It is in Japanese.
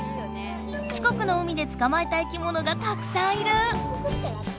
近くの海でつかまえたいきものがたくさんいる！